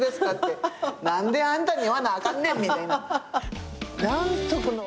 何であんたに言わなあかんねんみたいな。